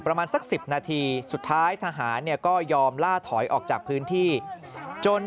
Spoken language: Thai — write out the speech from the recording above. ประมาณสัก๑๐นาทีสุดท้ายทหารเนี่ยก็ยอมล่าถอยออกจากพื้นที่จน